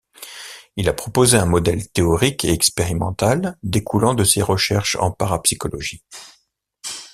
Il a proposé un modèle théorique et expérimental découlant de ses recherches en parapsychologie.